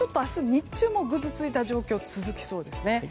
日中もぐずついた状況続きそうですね。